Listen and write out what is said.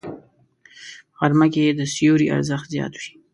په غرمه کې د سیوري ارزښت زیات وي